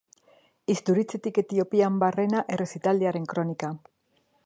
Isturitzetik Etiopian barrena errezitaldiaren kronika.